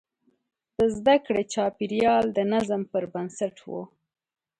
د زده کړې چاپېریال د نظم پر بنسټ و.